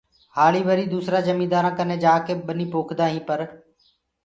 هآݪي وري دوسرآ جميندآرو ڪني جآڪي ٻني پوکدو هي پر